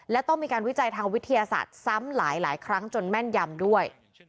และต้องมีการวิจัยทางวิทยาศาสตร์ซ้ำหลายครั้งจนแม่นยำด้วย